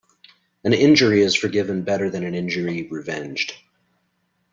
An injury is forgiven better than an injury revenged.